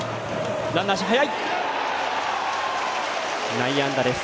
内野安打です。